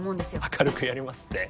明るくやりますって？